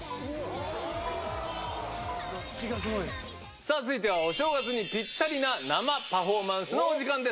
さあ、続いてはお正月にぴったりな生パフォーマンスのお時間です。